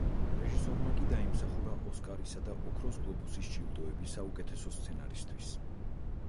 რეჟისორმა კი დაიმსახურა ოსკარისა და ოქროს გლობუსის ჯილდოები საუკეთესო სცენარისთვის.